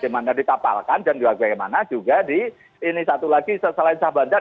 di mana ditapalkan dan di bagaimana juga di ini satu lagi selain sah bandar